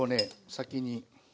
先に。